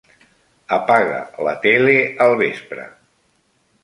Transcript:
Apaga la tele al vespre.